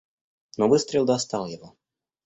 Но выстрел достал его.